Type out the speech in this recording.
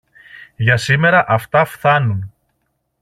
Για σήμερα αυτά φθάνουν.